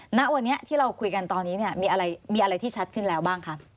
หน้าวันนี้ที่เราคุยกันตอนนี้มีอะไรที่ชัดขึ้นแล้วบ้างครับ